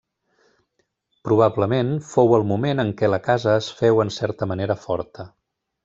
Probablement fou el moment en què la casa es féu en certa manera forta.